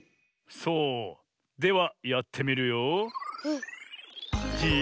そうではやってみるよ。